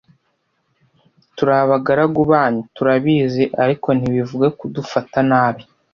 Turi abagaragu banyu turabizi ariko ntibivuga kudufata nabi